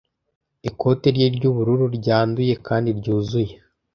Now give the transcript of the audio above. Ikoti rye ry'ubururu ryanduye kandi ryuzuye.